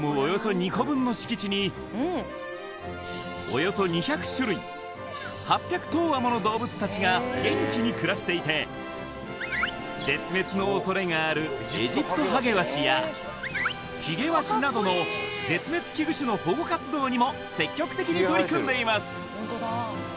およそ２００種類８００頭羽もの動物たちが元気に暮らしていて絶滅の恐れがあるエジプトハゲワシやヒゲワシなどの絶滅危惧種の保護活動にも積極的に取り組んでいます